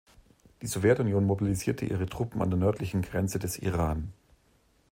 Die Sowjetunion mobilisierte ihre Truppen an der nördlichen Grenze des Iran.